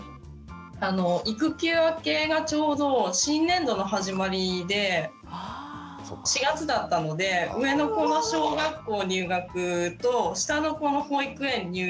育休明けがちょうど新年度の始まりで４月だったので上の子の小学校入学と下の子の保育園入園が重なって